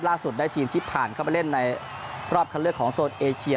ได้ทีมที่ผ่านเข้าไปเล่นในรอบคันเลือกของโซนเอเชีย